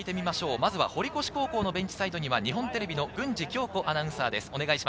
まずは堀越高校のベンチサイドには日本テレビの郡司恭子アナウンサーです。